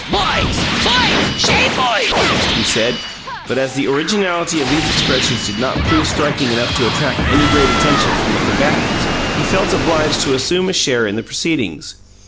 "Boys! Boys! Shame, boys!" he said; but, as the originality of these expressions did not prove striking enough to attract any great attention from the combatants, he felt obliged to assume a share in the proceedings.